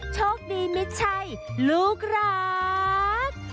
โชคดีมิดชัยลูกรัก